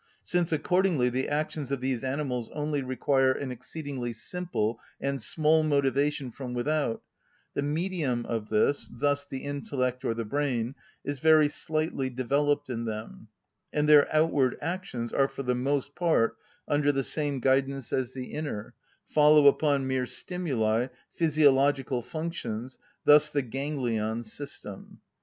Since, accordingly, the actions of these animals only require an exceedingly simple and small motivation from without, the medium of this, thus the intellect or the brain, is very slightly developed in them, and their outward actions are for the most part under the same guidance as the inner, follow upon mere stimuli, physiological functions, thus the ganglion system.